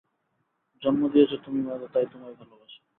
জন্ম দিয়েছ তুমি মাগো, তাই তোমায় ভালোবাসি।